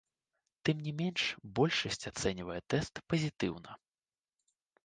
Тым не менш, большасць ацэньвае тэст пазітыўна.